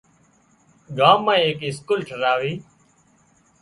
ڳام ايڪ اسڪول ٺاهراوي